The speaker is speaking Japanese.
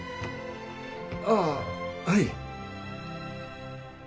ああはい。